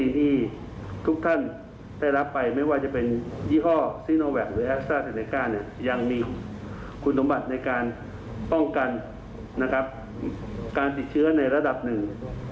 ในการป้องกันนะครับการติดเชื้อในระดับหนึ่ง